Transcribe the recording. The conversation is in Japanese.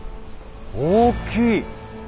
大きい！